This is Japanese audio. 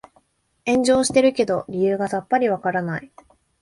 炎上してるけど理由がさっぱりわからない